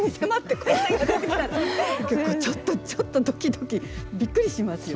これちょっとちょっとドキドキびっくりしますよ。